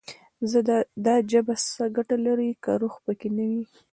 دا ژبه څه ګټه لري، که روح پکې نه وي»